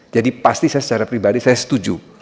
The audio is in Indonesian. jadi pasti saya secara pribadi saya setuju